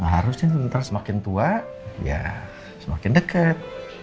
harusnya ntar semakin tua ya semakin deket